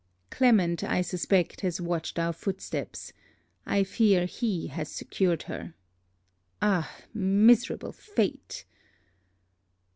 Clement, I suspect, has watched our footsteps. I fear he has secured her. Ah, miserable fate!